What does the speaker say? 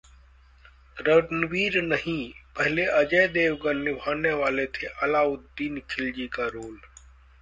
रणवीर नहीं, पहले अजय देवगन निभाने वाले थे अलाउद्दीन खिलजी का रोल